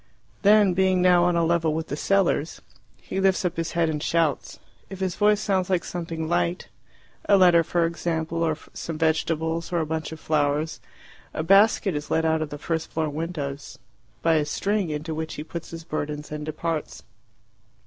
Then being now on a level with the cellars he lifts up his head and shouts. If his voice sounds like something light a letter, for example, or some vegetables, or a bunch of flowers a basket is let out of the first floor windows by a string, into which he puts his burdens and departs.